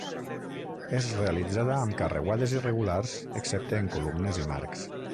És realitzada amb carreuades irregulars excepte en columnes i marcs.